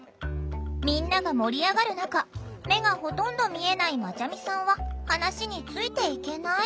みんなが盛り上がる中目がほとんど見えないまちゃみさんは話についていけない。